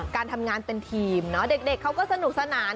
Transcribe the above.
การทำงานเป็นทีมเนาะเด็กเขาก็สนุกสนาน